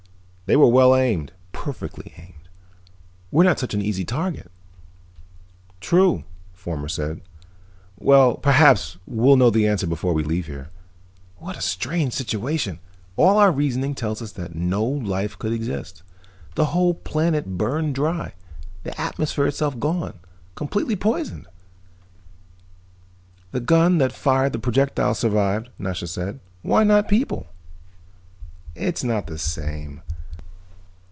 They were well aimed, perfectly aimed. We're not such an easy target." "True." Fomar nodded. "Well, perhaps we'll know the answer before we leave here. What a strange situation! All our reasoning tells us that no life could exist; the whole planet burned dry, the atmosphere itself gone, completely poisoned." "The gun that fired the projectiles survived," Nasha said. "Why not people?" "It's not the same.